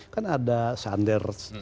kan ada sanders